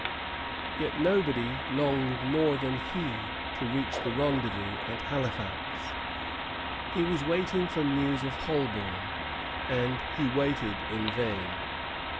Yet nobody longed more than he to reach the rendezvous at Halifax. He was waiting for news of Holbourne, and he waited in vain.